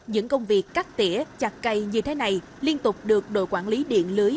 những công việc cắt tỉa chặt cây như thế này liên tục được đội quản lý điện lưới